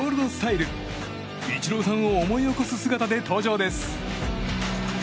イチローさんを思い起こす姿で登場です。